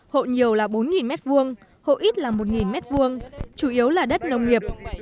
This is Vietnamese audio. hộ nhiều là bốn m hai hộ ít là một m hai chủ yếu là đất nông nghiệp